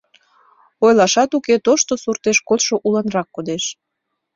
Ойлашат уке, тошто суртеш кодшо уланрак кодеш.